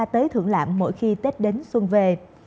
tới thưởng lãm mỗi khi tết đến xuân về